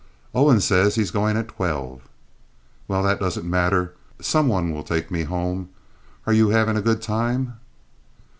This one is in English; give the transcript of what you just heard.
"Owen says he's going at twelve." "Well, that doesn't matter. Some one will take me home. Are you having a good time?"